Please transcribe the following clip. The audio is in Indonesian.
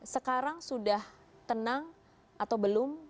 sekarang sudah tenang atau belum